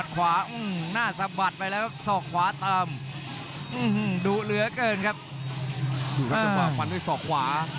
ดูครับจังหว่าฝันด้วยศอกขวา